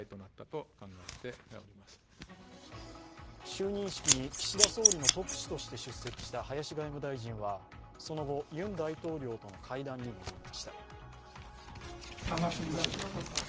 就任式に岸田総理の特使として出席した林外務大臣はその後、ユン大統領との会談に臨みました。